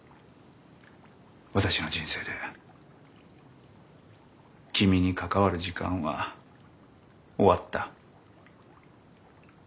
私の人生で君に関わる時間は終わった。